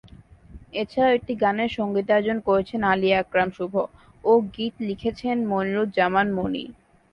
এছাড়াও একটি গানের সঙ্গীতায়োজন করেছেন আলী আকরাম শুভ ও গীত লিখেছেন মনিরুজ্জামান মনির।